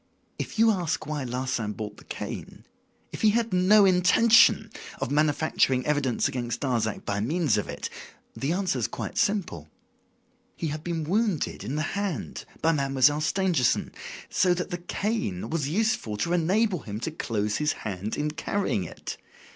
If you ask why Larsan bought the cane, if he had no intention of manufacturing evidence against Darzac by means of it, the answer is quite simple. He had been wounded in the hand by Mademoiselle Stangerson, so that the cane was useful to enable him to close his hand in carrying it.